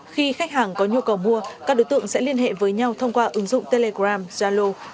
khi khách hàng có nhu cầu mua các đối tượng sẽ liên hệ với nhau thông qua ứng dụng telegram zalo